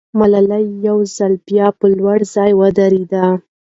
ملاله یو ځل بیا پر لوړ ځای ودرېده.